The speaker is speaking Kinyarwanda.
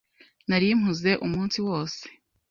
Nari mpuze umunsi wose.